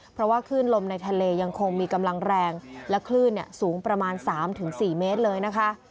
เพราะว่าคลื่นลมในทะเลยังคงมีกำลังแรงและคลื่นสูงประมาณ๓๔เมตรเลยนะคะ